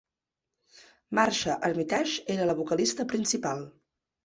Marsha Armitage era la vocalista principal.